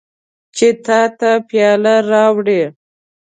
چې تا ته پیاله راوړي.